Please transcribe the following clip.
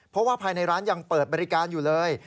เพราะว่าภายในร้านยังเปิดบริการอยู่เลย